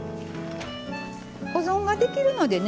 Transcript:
保存ができるのでね